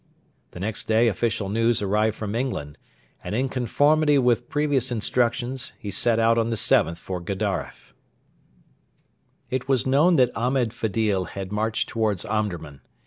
The next day official news arrived from England, and in conformity with previous instructions he set out on the 7th for Gedaref. It was known that Ahmed Fedil had marched towards Omdurman.